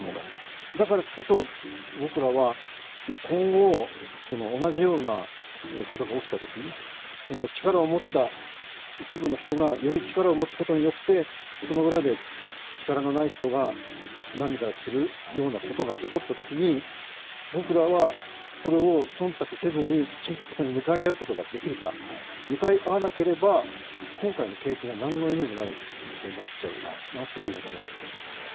だからこそ僕らは、今後同じようなことが起きたときに、力を持った一部の人がより力を持つことによって、その裏で力のない人が涙するようなことが起こったときに僕らは、それをそんたくせずにきちんとそこに向かい合うことができるか、向かい合わなければ今回の経験が何の意味もなくなっちゃうなという気がします